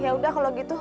ya udah kalau gitu